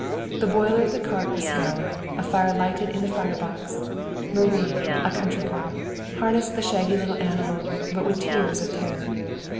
The boiler of the cart was scoured, a fire lighted in the fire box. Marie, a country girl, harnessed the shaggy little animal, but with tears of terror.